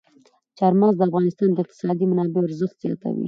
چار مغز د افغانستان د اقتصادي منابعو ارزښت زیاتوي.